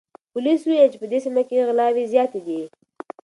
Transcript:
پولیسو وویل چې په دې سیمه کې غلاوې زیاتې دي.